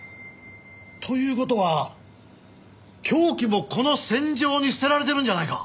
という事は凶器もこの線上に捨てられてるんじゃないか？